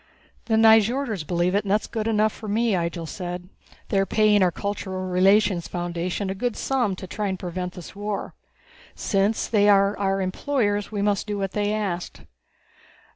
"The Nyjorders believe it, and that's good enough for me," Ihjel said. "They are paying our Cultural Relationships Foundation a good sum to try and prevent this war. Since they are our employers, we must do what they ask."